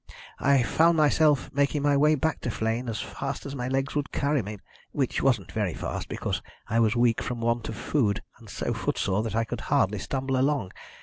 "I found myself making my way back to Flegne as fast as my legs would carry me which wasn't very fast, because I was weak from want of food, and so footsore that I could hardly stumble along.